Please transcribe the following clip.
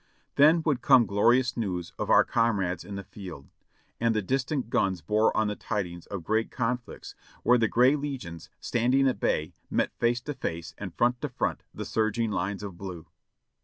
Then would come glorious news of our comrades in the field, and the distant guns bore on the tidings of great conflicts, where the gray legions, standing at bay, met face to face and front to front the surging lines of blue.